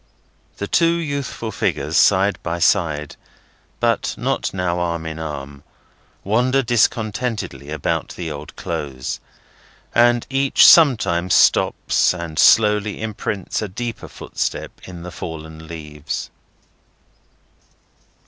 The two youthful figures, side by side, but not now arm in arm, wander discontentedly about the old Close; and each sometimes stops and slowly imprints a deeper footstep in the fallen leaves.